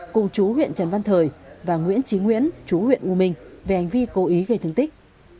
cùng chú huyện trần văn thời và nguyễn trí nguyễn chú huyện u minh về hành vi cố ý gây thương tích